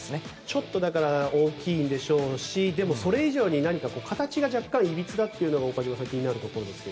ちょっと大きいでしょうしでもそれ以上に形が若干いびつだということが岡島さん気になるところですが。